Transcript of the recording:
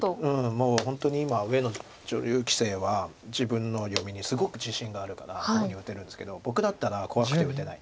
もう本当に今上野女流棋聖は自分の読みにすごく自信があるからこういうふうに打てるんですけど僕だったら怖くて打てない。